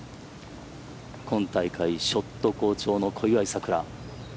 今大会ショット好調の小祝さくら。